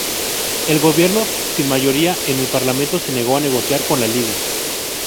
El gobierno, sin mayoría en el parlamento, se negó a negociar con la Liga.